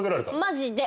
マジで。